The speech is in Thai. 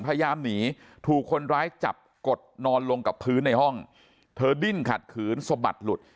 พยายามหนีถูกคนร้ายจับกดนอนลงกับพื้นในห้องเธอดิ้นขัดขืนสะบัดหลุด